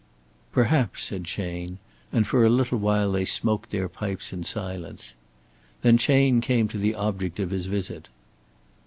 "Perhaps," said Chayne; and for a little while they smoked their pipes in silence. Then Chayne came to the object of his visit.